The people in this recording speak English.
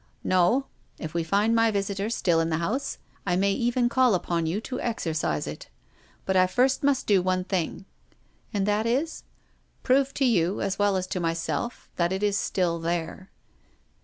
" No. If we find my visitor still in the house, I may even call upon you to exorcise it. But first I must do one thing." PROFESSOR GUILDEA. 299 "And that is?" " Prove to you, as well as to myself, that it is still there."